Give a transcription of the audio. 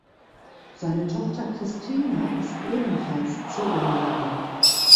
Seine Tochter Christina ist ebenfalls Zoologin.